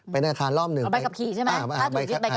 เป็นอาคารรอบหนึ่งของใบขับขี่ใช่ไหม